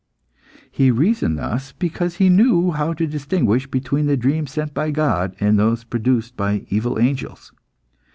He reasoned thus because he knew how to distinguish between the dreams sent by God and those produced by evil angels.